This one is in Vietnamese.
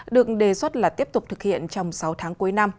được đề xuất là tiếp tục thực hiện